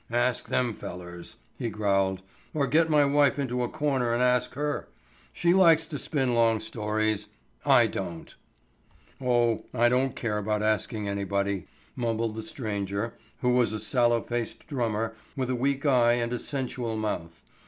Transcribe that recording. "Ask them fellers," he growled; "or get my wife into a corner and ask her. She likes to spin long stories; I don't." "Oh, I don't care about asking anybody," mumbled the stranger, who was a sallow faced drummer with a weak eye and a sensual mouth.